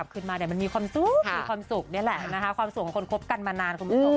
ชอบหยอกเวลาเรากรับขึ้นมา